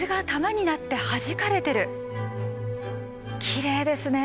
きれいですね！